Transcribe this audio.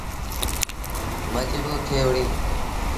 مجبور ٿئي وُهڙيٚ۔